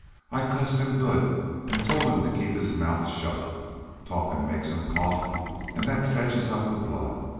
"I cussed him good an' told him he'd keep his mouth shut. Talkin' makes him cough an' that fetches up the blood....